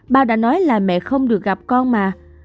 bao đã nói là mẹ không được gặp con mà